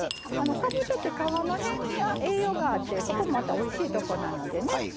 かぼちゃって皮の辺に栄養があってそこもまたおいしいとこなのでね